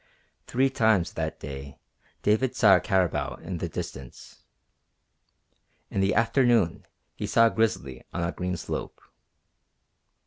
Three times that day David saw a caribou at a distance. In the afternoon he saw a grizzly on a green slope.